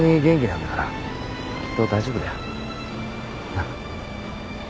なっ。